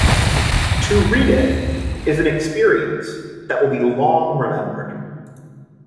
To read it is an experience that will be long remembered.